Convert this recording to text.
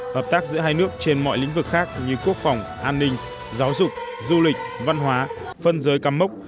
hợp tác giữa hai nước trên mọi lĩnh vực khác như quốc phòng an ninh giáo dục du lịch văn hóa phân giới cắm mốc